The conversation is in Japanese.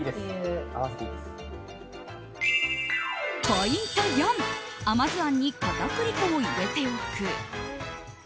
ポイント４甘酢あんに片栗粉を入れておく。